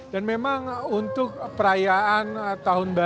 dan memang untuk perayaan